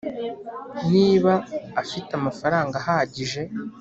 niba afite amafaranga ahagije